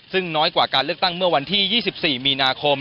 ซึ่งน้อยกว่าการเลือกตั้งเมื่อวันที่๒๔มีนาคม